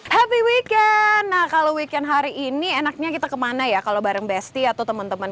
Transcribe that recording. happy weekend nah kalau weekend hari ini enaknya kita kemana ya kalau bareng besti atau teman teman